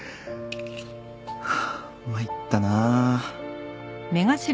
はあ参ったなあ。